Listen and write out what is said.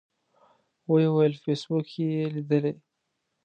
و یې ویل په فیسبوک کې یې لیدلي.